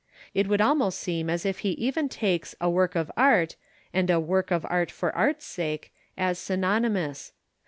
It would almost seem as if he even takes a "work of art" and a "work of art for art's sake" as synonymous.